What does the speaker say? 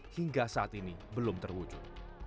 hingga saat ini belum terwujud